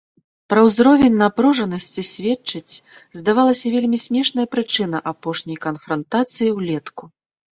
Пра ўзровень напружанасці сведчыць, здавалася, вельмі смешная прычына апошняй канфрантацыі ўлетку.